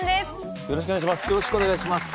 よろしくお願いします。